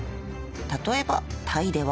例えばタイでは。